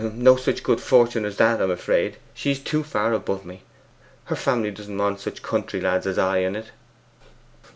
No such good fortune as that, I'm afraid; she's too far above me. Her family doesn't want such country lads as I in it.